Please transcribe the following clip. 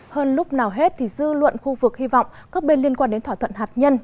hơn lúc nào hết thì dư luận khu vực hy vọng các bên liên quan đến thỏa thuận hạt nhân